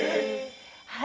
はい。